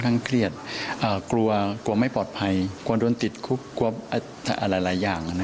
ข้างเครียดกลัวกลัวไม่ปลอดภัยกลัวโดนติดกลัวอะไรอย่างนะ